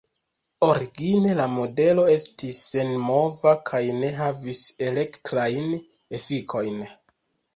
Origine la modelo estis senmova kaj ne havis elektrajn efikojn.